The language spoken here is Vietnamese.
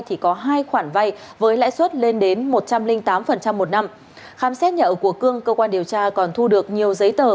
thì có hai khoản vay với lãi suất lên đến một trăm linh tám một năm khám xét nhà ở của cương cơ quan điều tra còn thu được nhiều giấy tờ